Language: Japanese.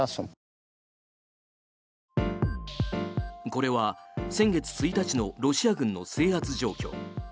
これは先月１日のロシア軍の制圧状況。